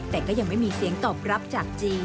แต่ก็ยังไม่มีเสียงตอบรับจากจีน